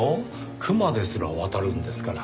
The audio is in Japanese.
クマですら渡るんですから。